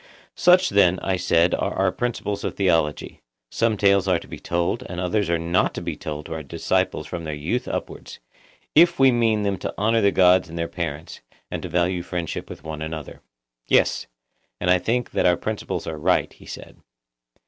Such then, I said, are our principles of theology—some tales are to be told, and others are not to be told to our disciples from their youth upwards, if we mean them to honour the gods and their parents, and to value friendship with one another. Yes; and I think that our principles are right, he said.